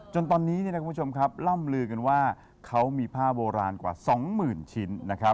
จนตอนนี้ล่ำลือกันว่าเขามีผ้าโบราณกว่า๒๐๐๐๐ชิ้น